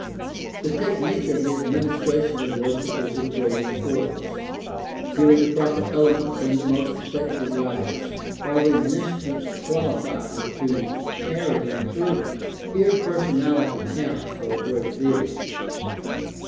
The technique of the administration of worship is of great importance. Given the proper elements and the most effec tive rites, are the minis trants qualified to carry them through ? Here personality counts for a great deal.